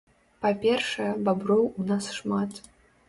Па-першае, баброў у нас шмат.